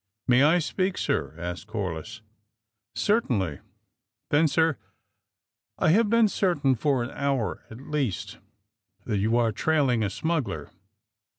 '' May I speak, sir?" asked Corliss. Certainly. '' ^*Then, sir, I have been certain, for an hour at least, that you were trailing: a smu2:gler."